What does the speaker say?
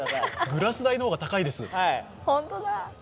グラス代の方が高いです。